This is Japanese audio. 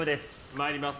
参ります。